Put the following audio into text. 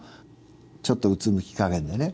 ちょっとうつむき加減でね